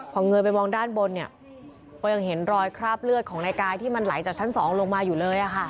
พอเงยไปมองด้านบนเนี่ยก็ยังเห็นรอยคราบเลือดของนายกายที่มันไหลจากชั้น๒ลงมาอยู่เลย